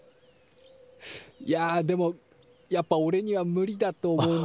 いやでもやっぱおれには無理だと思うんだよね。